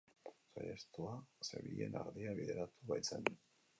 Saihestua zebilen ardia bideratu baitzen.